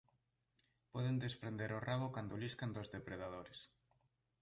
Poden desprender o rabo cando liscan dos depredadores.